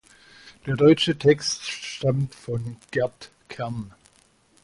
Der deutsche Text stammt von Gerd Kern.